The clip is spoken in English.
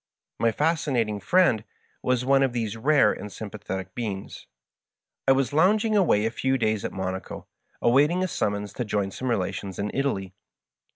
My Fascinating Friend was one of these rare and sympathetic beings. I was lounging away a few days at Monaco, await ing, a summons to join some relations in Italy.